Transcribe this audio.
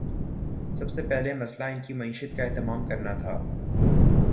سب سے پہلا مسئلہ ان کی معیشت کا اہتمام کرنا تھا۔